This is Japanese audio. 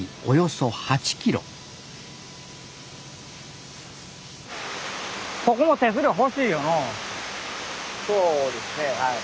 そうですねはい。